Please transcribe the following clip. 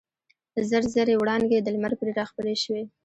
زر زري وړانګې د لمر پرې راخپرې شوې.